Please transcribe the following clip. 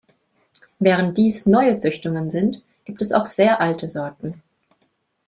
Während dies neue Züchtungen sind, gibt es auch sehr alte Sorten.